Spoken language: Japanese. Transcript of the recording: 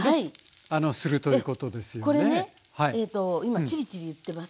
これね今チリチリいってます。